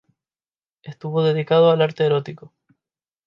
Estuvo dedicado al arte erótico.